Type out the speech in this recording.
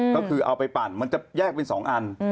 ก็คือเอาไปปั่นมันจะแยกเป็น๒อัน